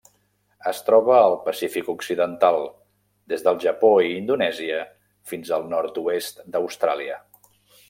Es troba al Pacífic occidental: des del Japó i Indonèsia fins al nord-oest d'Austràlia.